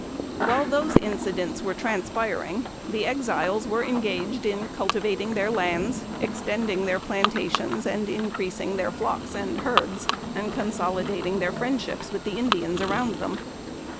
While those incidents were transpiring, the Exiles were engaged in cultivating their lands, extending their plantations and increasing their flocks and herds, and consolidating their friendships with the Indians around them.